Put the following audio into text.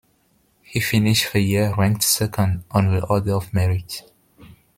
He finished the year ranked second on the Order of Merit.